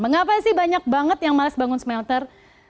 mengapa sih banyak banget yang males bangun smelter